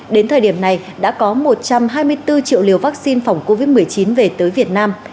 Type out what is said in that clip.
đến thời điểm này đã có một trăm hai mươi bốn triệu liều vaccine phòng covid một mươi chín về tới việt nam